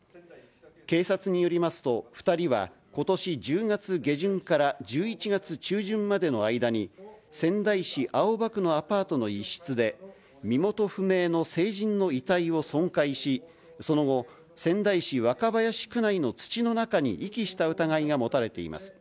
警察によりますと、２人はことし１０月下旬から１１月中旬までの間に、仙台市青葉区のアパートの一室で、身元不明の成人の遺体を損壊し、その後、仙台市若林区内の土の中に遺棄した疑いが持たれています。